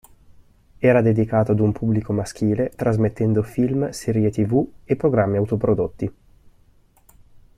Era dedicato ad un pubblico maschile, trasmettendo film, serie tv e programmi autoprodotti.